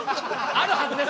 あるはずです。